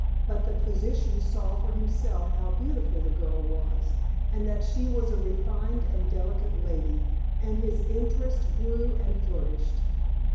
But the physician saw for himself how beautiful the girl was, and that she was a refined and delicate lady, and his interest grew and flourished.